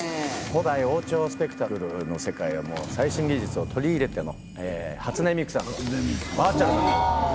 古代王朝スペクタクルの世界をもう最新技術を取り入れての初音ミクさんのバーチャルなんかも。